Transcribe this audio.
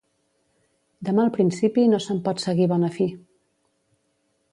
De mal principi no se'n pot seguir bona fi.